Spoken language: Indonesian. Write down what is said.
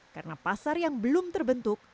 karena pasar yang belum terbentuk